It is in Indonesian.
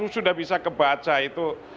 sudah bisa kebaca itu